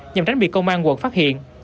nhằm tránh bị công an quận phát hiện